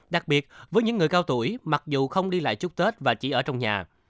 đặc biệt với những người cao tuổi mặc dù không đi lại chúc tết và chỉ ở trong nhà